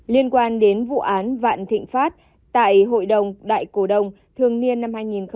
liên quan đến vụ án vạn thịnh pháp tại hội đồng đại cổ đồng thường niên năm hai nghìn một mươi tám